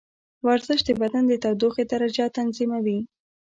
ورزش د بدن د تودوخې درجه تنظیموي.